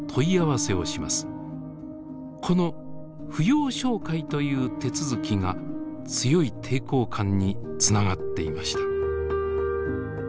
この「扶養照会」という手続きが強い抵抗感につながっていました。